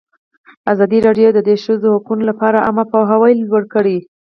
ازادي راډیو د د ښځو حقونه لپاره عامه پوهاوي لوړ کړی.